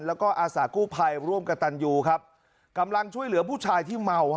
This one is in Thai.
แล้วก็อาสากู้ภัยร่วมกับตันยูครับกำลังช่วยเหลือผู้ชายที่เมาฮะ